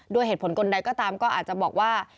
ด้วยเหตุผลคนใดก็ตามก็อาจจะบอกว่า